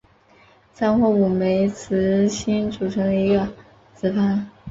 三或五枚雌蕊组成一个子房。